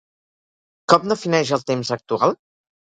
Com defineix el temps actual?